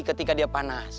ketika dia panas